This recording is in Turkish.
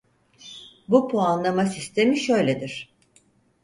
Bu puanlama sistemi şöyledir.